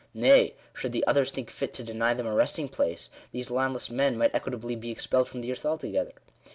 Nay, should the others think fit to deny them a resting place, these landless men might equitably be expelled from the earth altogether.